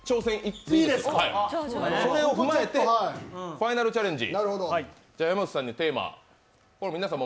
それを踏まえて、ファイナルチャレンジ。